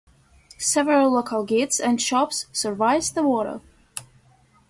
Several local guides and shops service the water.